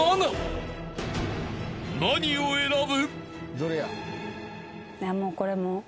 ［何を選ぶ？］